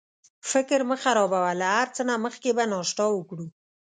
فکر مه خرابوه، له هر څه نه مخکې به ناشته وکړو.